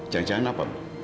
jangan jangan apa pak